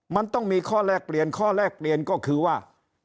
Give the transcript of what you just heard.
มันต้องมีข้อแลกเปลี่ยนข้อแรกเปลี่ยนก็คือว่า